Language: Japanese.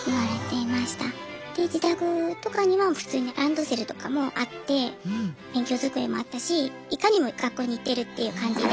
で自宅とかには普通にランドセルとかもあって勉強机もあったしいかにも学校に行っているっていう感じで。